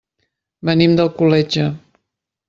Venim d'Alcoletge.